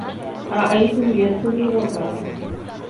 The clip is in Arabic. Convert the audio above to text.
رأيته يدخل الغرفة.